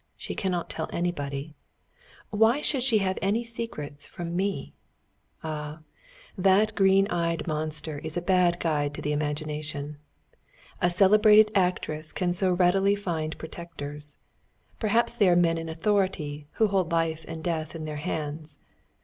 She cannot tell anybody. Why should she have any secrets from me? Ah! that green eyed monster is a bad guide to the imagination. A celebrated actress can so readily find protectors. Perhaps they are men in authority, who hold life and death in their hands.